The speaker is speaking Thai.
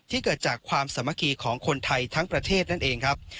เกิดจากความสามัคคีของคนไทยทั้งประเทศนั่นเองครับ